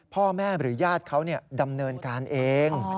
พ่อแม่หรือญาติเขาดำเนินการเอง